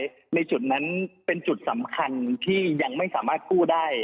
ในจุดนั้นเป็นจุดสำคัญที่ยังไม่สามารถกู้ได้